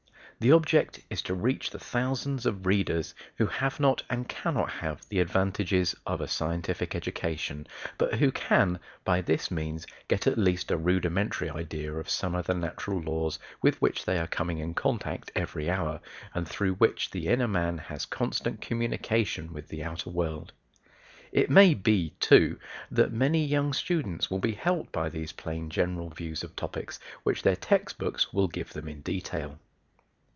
The object is to reach the thousands of readers who have not and cannot have the advantages of a scientific education, but who can by this means get at least a rudimentary idea of some of the natural laws with which they are coming in contact every hour, and through which the inner man has constant communication with the outer world. It may be, too, that many young students will be helped by these plain general views of topics which their text books will give them in detail.